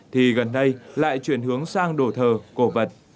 thì gần nay lại chuyển hướng sang đồ thờ cổ vật